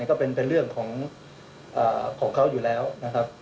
ก็เป็นเรื่องของเขาอยู่แล้วนะครับ